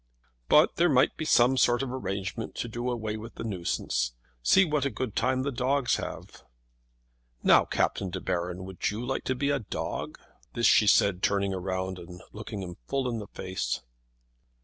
"But there might be some sort of arrangement to do away with the nuisance. See what a good time the dogs have." "Now, Captain De Baron, would you like to be a dog?" This she said turning round and looking him full in the face.